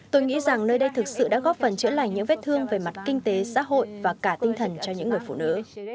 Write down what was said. tôi nghĩ rằng nơi đây thực sự đã góp phần chữa lành những vết thương về mặt kinh tế xã hội và cả tinh thần cho những người phụ nữ